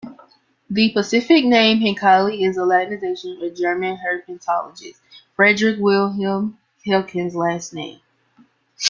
The specific name, "henkeli", is a Latinization of German herpetologist Friedrich-Wilhelm Henkel's last name.